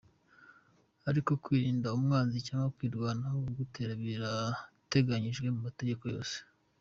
Ariko kwirinda umwanzi cyangwa kwirwanaho aguteye birateganyijwe mu mategeko yose.